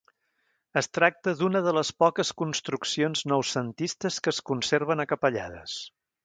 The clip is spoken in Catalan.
Es tracta d'una de les poques construccions noucentistes que es conserven a Capellades.